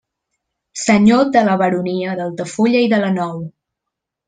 Senyor de la baronia d'Altafulla i de la Nou.